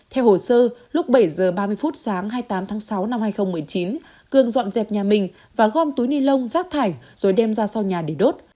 theo hồ sơ lúc bảy h ba mươi phút sáng hai mươi tám tháng sáu năm hai nghìn một mươi chín cường dọn dẹp nhà mình và gom túi ni lông rác thải rồi đem ra sau nhà để đốt